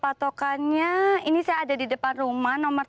patokannya ini saya ada di depan rumah nomor tiga puluh satu